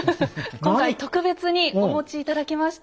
今回特別にお持ち頂きました。